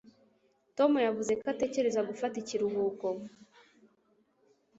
Tom yavuze ko atekereza gufata ikiruhuko.